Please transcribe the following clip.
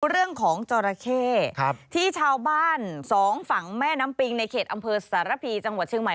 เรื่องของจราเข้ที่ชาวบ้านสองฝั่งแม่น้ำปิงในเขตอำเภอสารพีจังหวัดเชียงใหม่